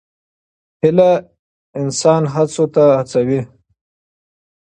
هیله انسان هڅو ته هڅوي.